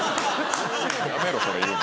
やめろそれ言うの。